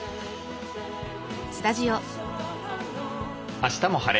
「あしたも晴れ！